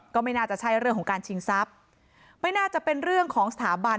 ก็ไม่น่าจะใช่เรื่องของการชิงทรัพย์ไม่น่าจะเป็นเรื่องของสถาบัน